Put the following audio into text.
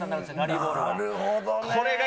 ラリーボールが。